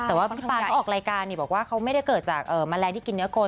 แต่ว่าพี่ปานเขาออกรายการบอกว่าเขาไม่ได้เกิดจากแมลงที่กินเนื้อโกล